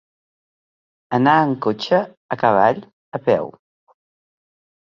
Anar amb cotxe, a cavall, a peu.